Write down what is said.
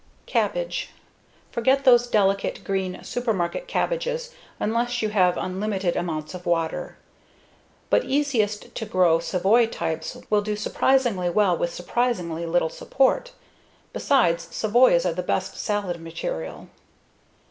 Cabbage Forget those delicate, green supermarket cabbages unless you have unlimited amounts of water. But easiest to grow savoy types will do surprisingly well with surprisingly little support. Besides, savoys are the best salad material.